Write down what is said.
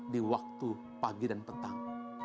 di waktu pagi dan petang